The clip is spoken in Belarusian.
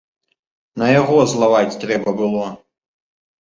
На яго злаваць трэба было!